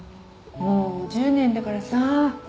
もう１０年だからさ。